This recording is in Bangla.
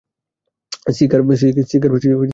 Cigar, crystal.